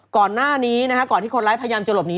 ก่อนหน้านี้นะคะก่อนที่คนร้ายพยายามจะหลบหนี